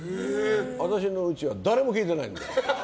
私のうちは誰も聞いてない。